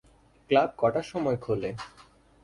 Club কটার সময় খোলে?